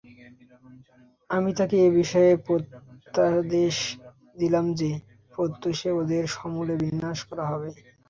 আমি তাকে এ বিষয়ে প্রত্যাদেশ দিলাম যে, প্রত্যুষে ওদেরকে সমূলে বিনাশ করা হবে।